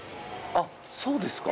あっそうですか。